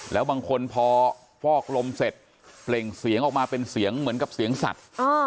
แล้วบางคนพอฟอกลมเสร็จเปล่งเสียงออกมาเป็นเสียงเหมือนกับเสียงสัตว์